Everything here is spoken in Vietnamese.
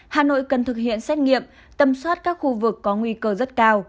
hà nội cần thực hiện xét nghiệm tâm soát các khu vực có nguy cơ rất cao